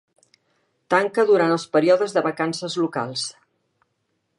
Tanca durant els períodes de vacances locals.